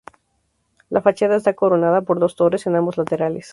La fachada está coronada por dos torres en ambos laterales.